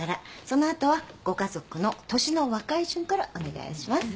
その後はご家族の年の若い順からお願いします。